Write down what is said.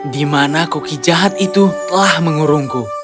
di mana koki jahat itu telah mengurungku